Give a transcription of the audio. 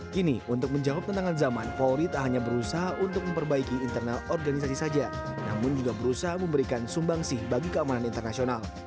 kini untuk menjawab tantangan zaman polri tak hanya berusaha untuk memperbaiki internal organisasi saja namun juga berusaha memberikan sumbangsih bagi keamanan internasional